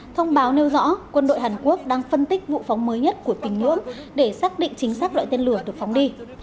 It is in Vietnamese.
thông báo nêu rõ quân đội hàn quốc đang phân tích vụ phóng mới nhất của tình lưỡng để xác định chính xác loại tên lửa được phóng đi